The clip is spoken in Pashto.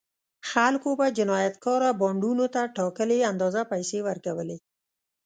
خلکو به جنایتکاره بانډونو ته ټاکلې اندازه پیسې ورکولې.